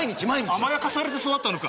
甘やかされて育ったのか？